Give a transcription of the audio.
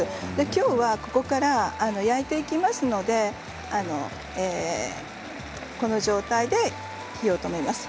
きょうはここから焼いていきますのでこの状態で火を止めます。